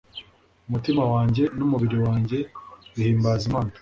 umutima wanjye n'umubiri wanjye bihimbaze imana